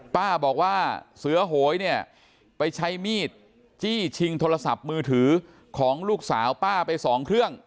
ป้าบอกว่าเสือโหยเนี่ยไปใช้มีดจี้ชิงโทรศัพท์มือถือของลูกสาวป้าไปสองเครื่อง